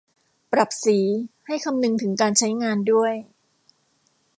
ปรับสี ให้คำนึงถึงการใช้งานด้วย